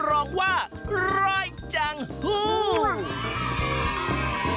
โรงโต้งคืออะไร